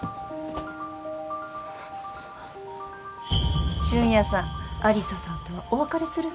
俊也さん有沙さんとはお別れするそうよ。